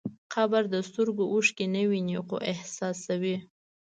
قبر د سترګو اوښکې نه ویني، خو احساسوي.